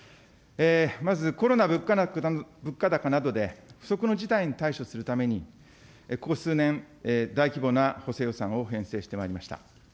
まずコロナ、物価高などで不測の事態に対処するために、ここ数年、大規模な補正予算を編成してまいりました。